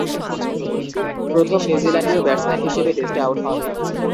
প্রথম নিউজিল্যান্ডীয় ব্যাটসম্যান হিসেবে টেস্টে আউট হন।